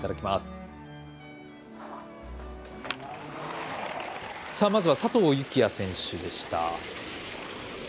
まずは佐藤幸椰選手でした。